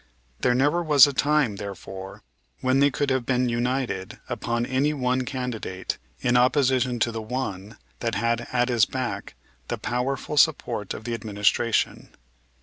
There never was a time, therefore, when they could have been united upon any one candidate in opposition to the one that had at his back the powerful support of the Administration.